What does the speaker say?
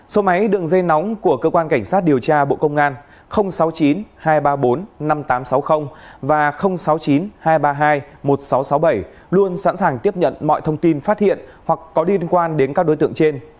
số máy đường dây nóng của cơ quan cảnh sát điều tra bộ công an sáu mươi chín hai trăm ba mươi bốn năm nghìn tám trăm sáu mươi và sáu mươi chín hai trăm ba mươi hai một nghìn sáu trăm sáu mươi bảy luôn sẵn sàng tiếp nhận mọi thông tin phát hiện hoặc có liên quan đến các đối tượng trên